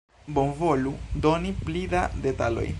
Bonvolu doni pli da detaloj